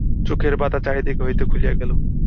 চোখের বাধা চারিদিক হইতে খুলিয়া গেল।